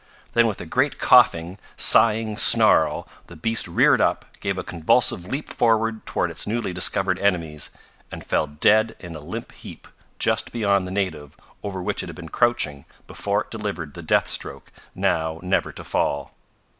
Then with a great coughing, sighing snarl the beast reared up, gave a convulsive leap forward toward its newly discovered enemies, and fell dead in a limp heap, just beyond the native over which it had been crouching before it delivered the death stroke, now never to fall.